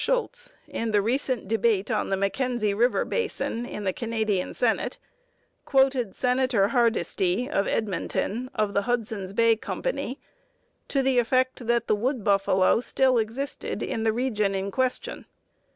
Schulz, in the recent debate on the Mackenzie River basin, in the Canadian senate, quoted Senator Hardisty, of Edmonton, of the Hudson's Bay Company, to the effect that the wood buffalo still existed in the region in question.